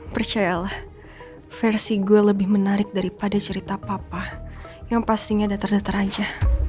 percayalah versi gue lebih menarik daripada cerita papa yang pastinya datar datar aja